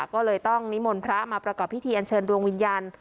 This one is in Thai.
ก็เลยต้องนิมนต์พระมาประกอบพิธีอันเชิญดวงวิญญาณ